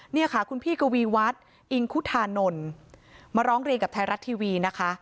นี่ค่ะคุณพี่กวีวัฒน์อิงคุธานนท์มาร้องเรียนกับไทยรัฐทีวีนะคะ